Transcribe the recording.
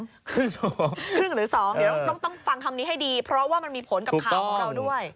ครึ่งหรือ๒เดี๋ยวต้องฟังคำนี้ให้ดีเพราะว่ามันมีผลกับข่าวของเราด้วย